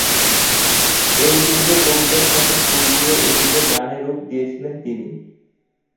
এই দীর্ঘ কবিতার সাথে সুর দিয়ে এটিকে গানে রূপ দিয়েছিলেন তিনি।